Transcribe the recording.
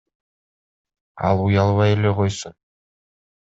Ал уялбай эле койсун.